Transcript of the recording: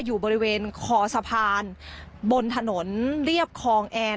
อยู่บริเวณคอสะพานบนถนนเรียบคลองแอน